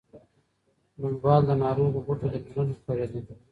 بڼوال د ناروغو بوټو درملنه کړې ده.